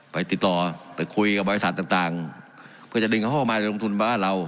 ไปติดต่อไปคุยกับบริษัทต่างต่างเพื่อจะดึงเขาเข้ามาจะลงทุนบ้านเรา